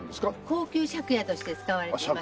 高級借家として使われていました。